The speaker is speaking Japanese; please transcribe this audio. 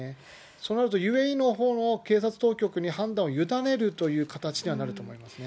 そうなるとＵＡＥのほうも警察当局に判断をゆだねるという形にはなると思いますね。